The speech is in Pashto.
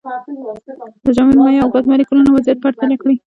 د جامد، مایع او ګاز مالیکولونو وضعیت پرتله کړئ.